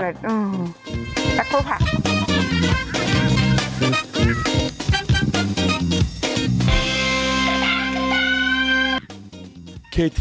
กลับเข้าค่ะ